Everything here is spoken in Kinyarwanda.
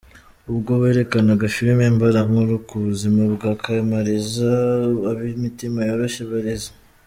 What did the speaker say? Ubwo berekanaga filime mbarankuru ku buzima bwa Kamaliza, ab’imitima yoroshye barize.